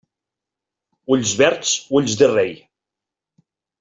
Ulls verds, ulls de rei.